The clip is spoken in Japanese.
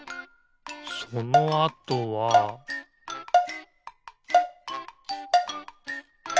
そのあとはピッ！